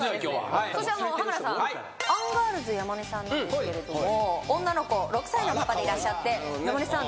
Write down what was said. そして浜田さんはいアンガールズ山根さんなんですけれども女の子６歳のパパでいらっしゃって山根さん